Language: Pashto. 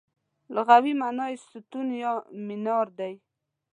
لغوي مانا یې ستون یا مینار دی.